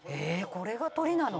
これが鶏なの？